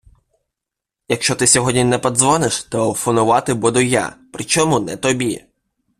Якщо ти сьогодні не подзвониш, телефонувати буду я. Причому не тобі!